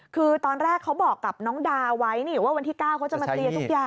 คือตอนแรกเขาบอกกับน้องดาไว้นี่ว่าวันที่๙เขาจะมาเคลียร์ทุกอย่าง